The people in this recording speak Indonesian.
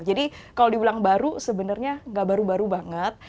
jadi kalau dibilang baru sebenarnya nggak baru baru banget